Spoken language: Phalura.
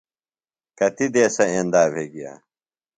کتیۡ دیسہ ایندا بھےۡ گیہ۔